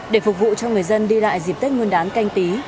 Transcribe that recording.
để phục vụ cho người dân đi lại dịp tết nguyên đán canh tí